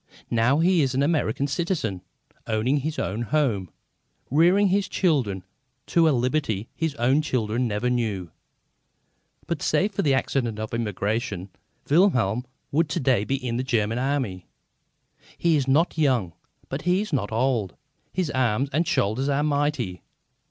Now he is an American citizen, owning his own home, rearing his children to a liberty his own childhood never knew. But, save for the accident of emigration, Wilhelm would to day be in the German Army. He is not young, but he is not old. His arms and shoulders are mighty.